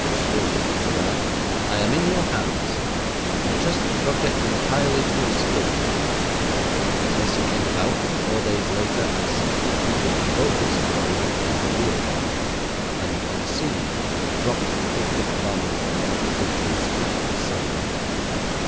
'Monsieur,' said I, 'I am in your hands. I trust the project entirely to your skill,' and thus it came about that four days later I substituted the bogus globe for the real one, and, unseen, dropped the picric bomb from one of the bridges into the Seine.